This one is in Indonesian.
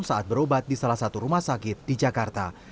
saat berobat di salah satu rumah sakit di jakarta